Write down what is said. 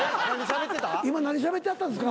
今何しゃべってはったんですか？